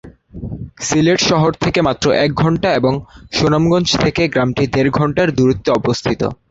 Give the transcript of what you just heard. সিলেট শহর থেকে মাত্র এক ঘণ্টা এবং সুনামগঞ্জ থেকে গ্রামটি দেড় ঘণ্টার দূরত্বে অবস্থিত।